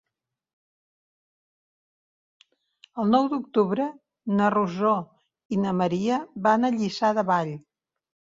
El nou d'octubre na Rosó i na Maria van a Lliçà de Vall.